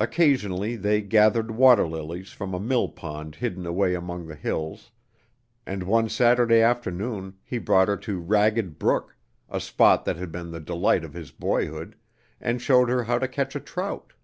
Occasionally they gathered waterlilies from a mill pond hidden away among the hills, and one Saturday afternoon he brought her to Ragged Brook a spot that had been the delight of his boyhood and showed her how to catch a trout.